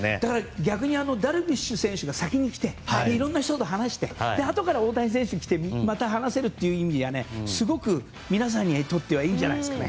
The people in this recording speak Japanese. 逆にダルビッシュ選手が先に来ていろいろな人と話してあとから、大谷選手が来てまた話せるという意味では皆さんにとっていいんじゃないですかね。